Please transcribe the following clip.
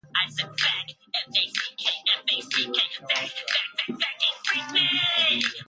Most state constitutions enumerate one or more reasons for the keeping of arms.